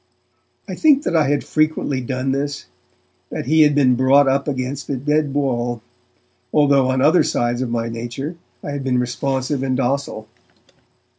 I think that I had frequently done this; that he had been brought up against a dead wall; although on other sides of my nature I had been responsive and docile.